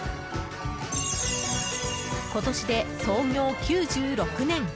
今年で創業９６年。